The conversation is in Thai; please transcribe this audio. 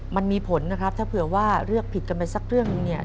มันมีผลนะครับถ้าเผื่อว่าเลือกผิดกันไปสักเรื่องหนึ่งเนี่ย